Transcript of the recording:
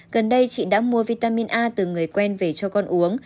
gần đây chị đã mua vitamin a từ người quen về cho con uống